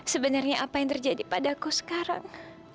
sebenarnya apa yang terjadi padaku sekarang